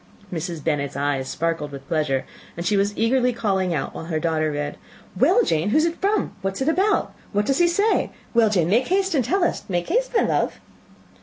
Mrs. Bennet's eyes sparkled with pleasure, and she was eagerly calling out, while her daughter read, "Well, Jane, who is it from? What is it about? What does he say? Well, Jane, make haste and tell us; make haste, my love."